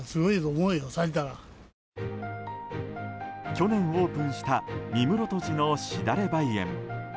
去年オープンした三室戸寺の、しだれ梅園。